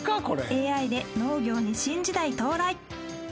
ＡＩで農業に新時代到来。